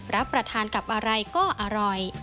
รับประทานกับอะไรก็อร่อย